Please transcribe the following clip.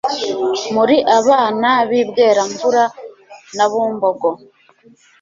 muri abana bi Bweramvura na Bumbogo